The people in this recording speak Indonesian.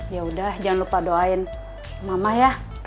yaudah jangan lupa doain mama ya